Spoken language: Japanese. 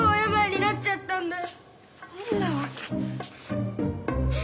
そんなわけ。